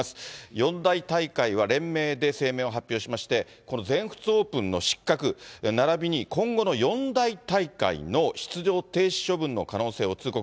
四大大会は連名で声明を発表しまして、この全仏オープンの失格、ならびに今後の四大大会の出場停止処分の可能性を通告。